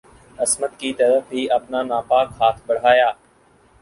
عصمت کی طرف بھی اپنا ناپاک ہاتھ بڑھایا